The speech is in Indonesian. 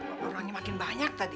orangnya makin banyak tadi